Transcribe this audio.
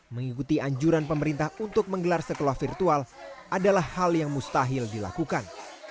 mengikuti anjuran pemerintah untuk menggelar sekolah virtual adalah hal yang mustahil dilakukan